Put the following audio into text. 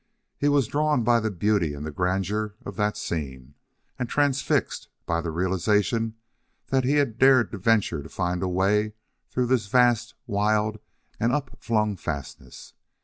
He was drawn by the beauty and the grandeur of that scene and transfixed by the realization that he had dared to venture to find a way through this vast, wild, and upflung fastness.